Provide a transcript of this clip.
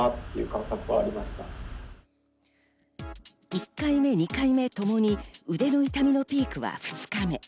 １回目・２回目ともに腕の痛みのピークは２日目。